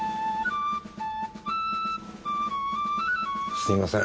すみません。